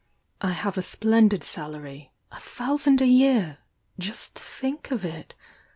I have a splendid salary — a thousand a year! — just think of it!